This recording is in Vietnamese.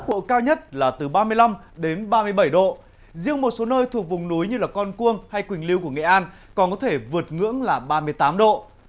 nguồn gốc cao nhất là từ ba mươi năm đến ba mươi bảy độ riêng một số nơi thuộc vùng núi như con cuông hay quỳnh lưu của nghệ an còn có thể vượt ngưỡng là ba mươi tám độ